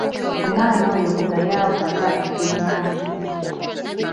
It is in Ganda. Omwana oyo mugayaavu nga Ekyennyanja.